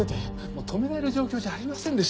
止められる状況じゃありませんでした。